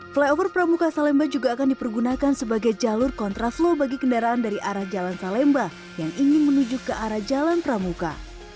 flyover pramuka salemba juga akan dipergunakan sebagai jalur kontraflow bagi kendaraan dari arah jalan salemba yang ingin menuju ke arah jalan pramuka